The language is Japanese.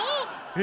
え？